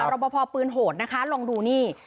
รับประพอปืนโหดนะคะลองดูนี่